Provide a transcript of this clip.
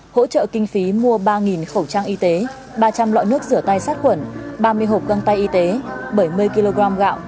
hỗ trợ kinh phí mua ba khẩu trang y tế ba trăm linh loại nước rửa tay sát khuẩn ba mươi hộp găng tay y tế bảy mươi kg gạo